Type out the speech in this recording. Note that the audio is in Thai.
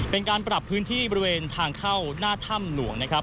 เป็นการปรับพื้นที่บริเวณทางเข้าหน้าถ้ำหลวงนะครับ